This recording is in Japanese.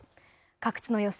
各地の予想